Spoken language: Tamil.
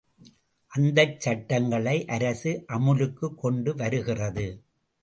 அந்தச் சட்டங்களை அரசு அமுலுக்குக் கொண்டு வருகிறது.